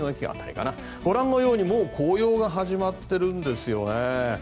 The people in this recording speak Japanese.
ご覧のように紅葉が始まっているんですね。